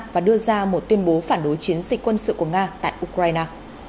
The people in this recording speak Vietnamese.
và đưa ra một tuyên bố phản đối chiến dịch quân sự của nga tại ukraine